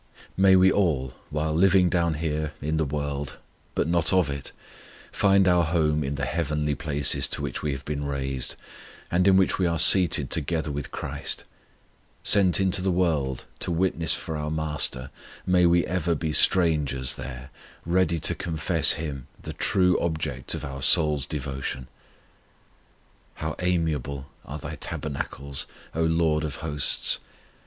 May we all, while living down here, in the world, but not of it, find our home in the heavenly places to which we have been raised, and in which we are seated together with CHRIST. Sent into the world to witness for our MASTER, may we ever be strangers there, ready to confess Him the true object of our soul's devotion. How amiable are Thy tabernacles, O LORD of hosts!